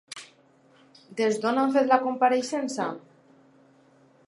Des d'on ha fet la compareixença?